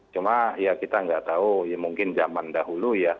cuma ya kita nggak tahu ya mungkin zaman dahulu ya